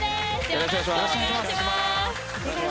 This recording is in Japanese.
よろしくお願いします。